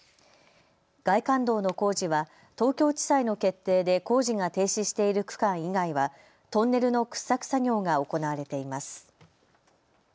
外環道の工事は東京地裁の決定で工事が停止している区間以外はトンネルの掘削作業が行われています。